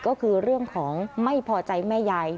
ก็คือเรื่องของไม่พอใจแม่ยาย